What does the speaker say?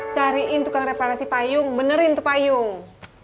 cariin tukang reklamasi payung benerin tuh payung